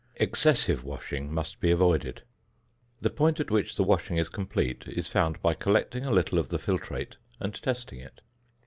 Excessive washing must be avoided; the point at which the washing is complete is found by collecting a little of the filtrate and testing it.